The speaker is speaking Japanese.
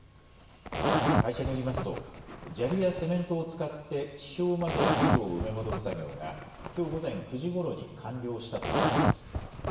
会社によりますと砂利やセメントを使って地表まで井戸を埋め戻す作業がきょう午前９時ごろに完了したということです。